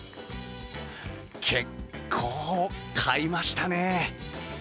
結構買いましたねぇ。